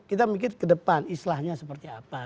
kita mikir ke depan islahnya seperti apa